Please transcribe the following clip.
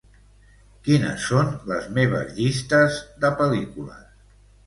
Quines són les meves llistes de pel·lícules?